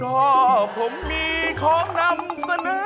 ก็ผมมีของนำเสนอ